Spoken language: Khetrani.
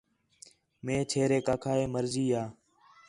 مئے چھیریک آکھا ہِے مرضی یا